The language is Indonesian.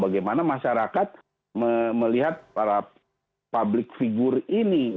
bagaimana masyarakat melihat para publik figur ini